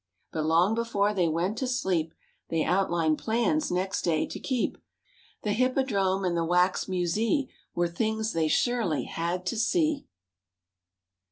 But long before they went to sleep They outlined plans next day to keep : The Hippodrome and the Wax Musee Were things they surely had to see.